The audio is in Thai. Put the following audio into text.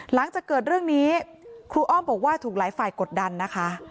หลังจากเกิดเรื่องนี้ครูอ้อมบอกว่าถูกหลายฝ่ายกดดันนะคะ